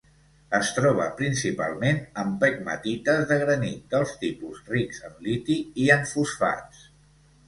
Es troba principalment en pegmatites de granit dels tipus rics en liti i en fosfats.